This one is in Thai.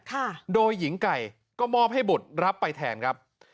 ค่ะโดยหญิงไก่ก็มอบให้บุตรรับไปแทนครับ